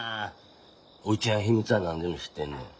おいちゃん秘密は何でも知ってんねん。